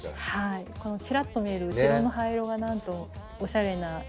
ちらっと見える後ろの葉色がなんともおしゃれな色合いが。